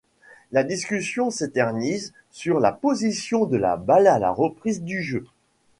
La discussion s'éternise sur la position de la balle à la reprise du jeu.